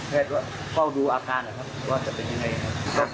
แพทย์ว่าพ่อดูอาการนะครับว่าจะเป็นยังไง